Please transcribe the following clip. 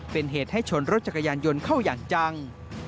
เป็นเหตุให้ชนรถจักรยานยนต์เข้าอย่างจัง